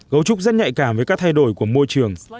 cấu trúc rất nhạy cảm với các thay đổi của môi trường